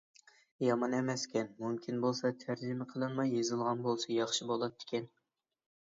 يامان ئەمەسكەن. مۇمكىن بولسا تەرجىمە قىلىنماي يېزىلغان بولسا ياخشى بولاتتىكەن.